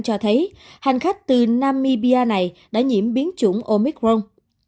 cho thấy hành khách từ namibia này đã nhiễm biến chủng omicron